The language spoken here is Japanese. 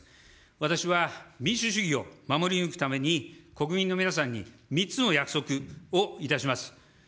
私は民主主義を守り抜くために、国民の皆さんに３つの約束をいたします。